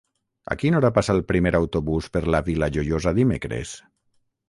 A quina hora passa el primer autobús per la Vila Joiosa dimecres?